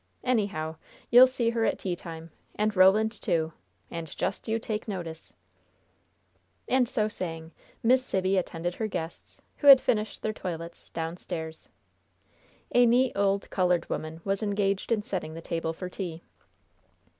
Anyhow, you'll see her at tea time, and Roland, too, and just you take notice!" And so saying, Miss Sibby attended her guests who had finished their toilets downstairs. A neat, old, colored woman was engaged in setting the table for tea.